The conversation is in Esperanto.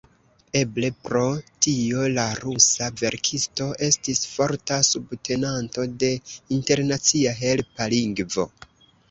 Eble pro tio la rusa verkisto estis forta subtenanto de internacia helpa lingvo.